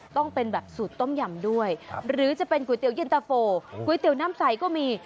ต้องเป็นแบบสูตรต้มยำด้วยหรือจะเป็นก๋วยเตี๋ยวเย็นตะโฟก๋วยเตี๋ยวน้ำใสก็มี